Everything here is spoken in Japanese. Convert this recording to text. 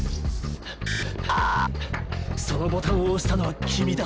そのボタンを押したのは君だ。